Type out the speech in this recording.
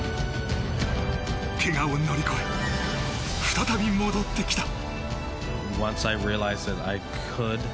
けがを乗り越え再び戻ってきた。